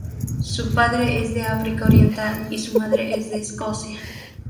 Su padre es de África Oriental y su madre es de Escocia.